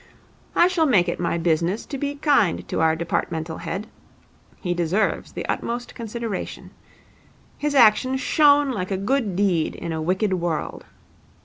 I shall make it my business to be kind to our Departmental head. He deserves the utmost consideration. His action shone like a good deed in a wicked world.